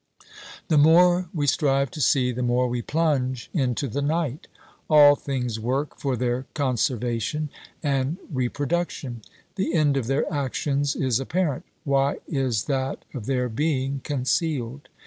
The more we strive to see, the more we plunge into the night. All things work for their conservation and repro duction ; the end of their actions is apparent — why is that of their being concealed